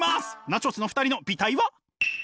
ナチョス。の２人の媚態は？